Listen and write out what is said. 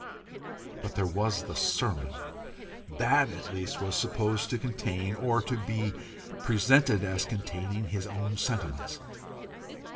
But there was the sermon! That at least was supposed to contain, or to be presented as containing, his own sentiments.